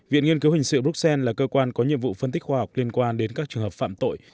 viện nghiên cứu hình sự bruxelles là cơ quan có nhiệm vụ phân tích khoa học liên quan đến các trường hợp phạm tội